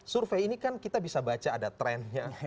survei ini kan kita bisa baca ada trennya